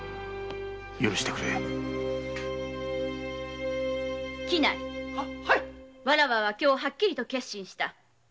許してくれわらわは今日はっきり決心した。